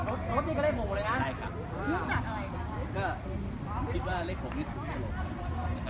เค้าต้องเลยยืนเฉียบรถนี่ดู่งและรถนี้ละก็จะไปเลข๘